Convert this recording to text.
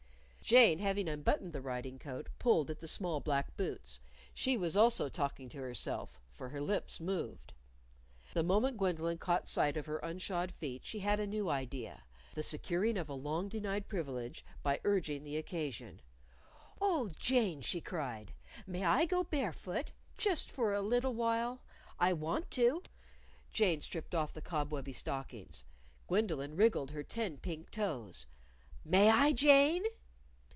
Jane, having unbuttoned the riding coat, pulled at the small black boots. She was also talking to herself, for her lips moved. The moment Gwendolyn caught sight of her unshod feet, she had a new idea the securing of a long denied privilege by urging the occasion. "Oh, Jane," she cried. "May I go barefoot? just for a little while. I want to." Jane stripped off the cobwebby stockings. Gwendolyn wriggled her ten pink toes. "May I, Jane?"